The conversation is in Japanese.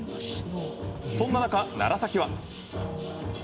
そんな中、楢崎は。